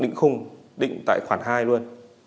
định khung định tại khoảng hai luôn